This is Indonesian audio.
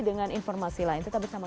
dengan informasi lain tetap bersama